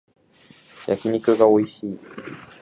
焼き肉がおいしい